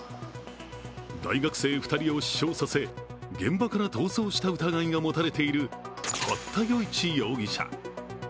大学生２人を死傷させ現場から逃走した疑いが持たれている八田與一容疑者。